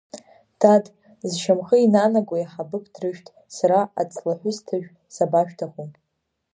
Дад, зшьамхы инанаго еиҳабык дрышәҭ, сара аҵлаҳәысҭажә сабашәҭаху?